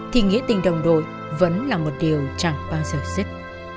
thì nghĩa tình đồng đội vẫn là một điều chẳng bao giờ dứt